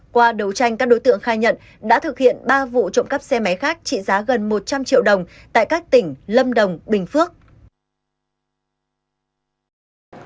qua đấu tranh các đối tượng khai nhận đã thực hiện ba vụ trộm cắp xe máy khác trị giá gần một trăm linh triệu đồng tại các tỉnh lâm đồng bình phước